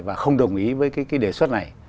và không đồng ý với cái đề xuất này